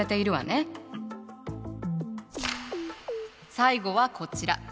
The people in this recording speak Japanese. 最後はこちら。